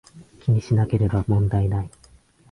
気にしなければ問題無い